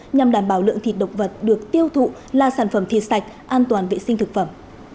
nhằm đảm bảo lượng thịt động vật được tiêu thụ là sản phẩm thịt sạch an toàn vệ sinh thực phẩm